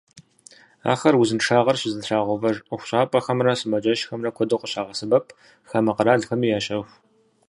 Ахэр узыншагъэр щызэтрагъэувэж ӏуэхущӏапӏэхэмрэ сымаджэщхэмрэ куэду къыщагъэсэбэп, хамэ къэралхэми ящэху.